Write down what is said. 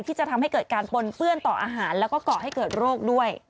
ที่จะทำให้เกิดการปนเปื้อนต่ออาหารแล้วก็ก่อให้เกิดโรคด้วย